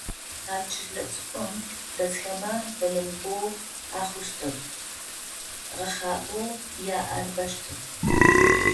А чылэ цӏыкӏум дэсхэмэ былым бэу ахъущтыгъ, гъэхъагъэу яӏэр бэщтыгъ.